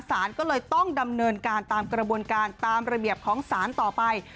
สารก็เลยต้องดำเนินการตามกระบวนการตามระเบียบของศาลต่อไป